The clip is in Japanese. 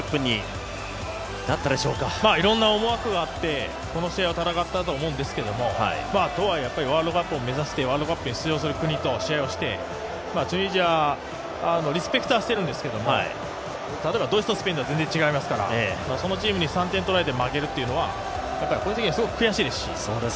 いろんな思惑があって、この試合を戦ったと思うんですけどワールドカップを目指してワールドカップに出場する国と試合して、チュニジア、リスペクトはしているんですけど、例えば例えばドイツとスペインとは全然違いますからそのチームに３点を取られて負けるというのはやっぱり個人的にはすごく悔しいですし。